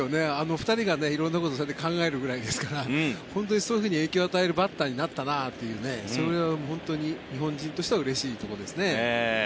２人がそういうことを色々考えるぐらいですから本当にそういうふうに影響を与えるバッターになったなとそれは本当に日本人としてはうれしいところですね。